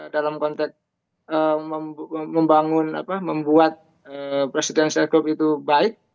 dalam konteks membangun apa membuat presidensial group itu baik